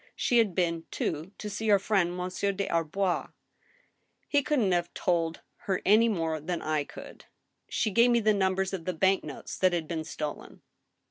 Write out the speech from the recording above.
She had been, too, to see your friend Monsieur des Arbois." " He couldn't have told her any more than I could." "She gave me the numbers of the bank notes that had been stolen."